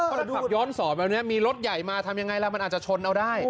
ถ้าเราขับย้อนสอนแบบนี้มีรถใหญ่มาทำยังไงล่ะมันอาจจะชนเอาได้